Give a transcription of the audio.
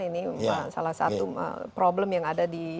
ini salah satu problem yang ada di